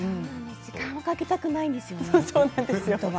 時間はかけたくないですよね。